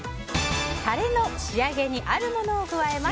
タレの仕上げにあるものを加えます。